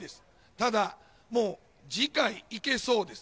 ただ、もう次回、いけそうです。